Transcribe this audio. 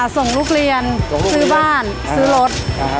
ส่งลูกเรียนซื้อบ้านซื้อรถ